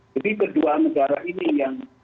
jadi kedua negara ini yang